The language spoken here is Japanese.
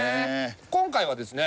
今回はですね